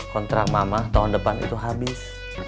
kontrak mama tahun depan itu habis